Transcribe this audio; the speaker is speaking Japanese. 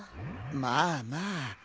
まあまあ。